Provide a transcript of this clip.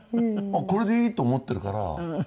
これでいいと思ってるから。